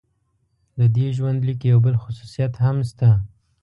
د دې ژوندلیک یو بل خصوصیت هم شته.